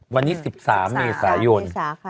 วันนี้๑๓เมษายน